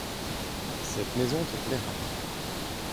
Cette maison te plaira.